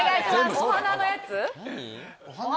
お花のやつ。